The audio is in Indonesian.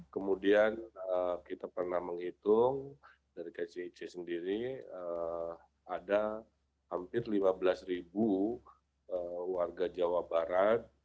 kemudian kita pernah menghitung dari kcic sendiri ada hampir lima belas ribu warga jawa barat